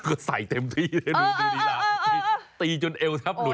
ก็ใส่เต็มที่ได้ดูตีลีลาตีจนแอวทับหลุด